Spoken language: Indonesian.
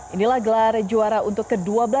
inilah gelar juara untuk ke dua belas ke dua belas